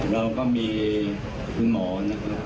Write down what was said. เราก็มีคุณหมอนะครับ